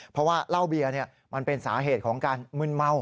เพราะว่าเหล้าเบียร์มันเป็นสาเหตุของการมึนเมา